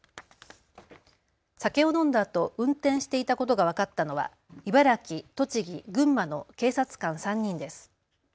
酒を飲んだあと運転していたことが分かったのは茨城、栃木、群馬の警察官３人です。